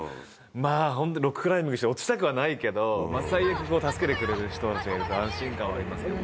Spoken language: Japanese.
ホントロッククライミングの人落ちたくはないけど最悪助けてくれる人たちがいると安心感はありますよね。